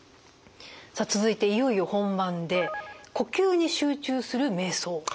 さあ続いていよいよ本番で「呼吸に集中するめい想」ですね。